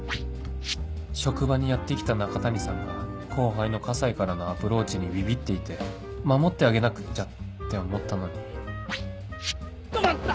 職場にやって来た中谷さんが後輩の河西からのアプローチにビビっていて守ってあげなくっちゃって思ったのにっと待った！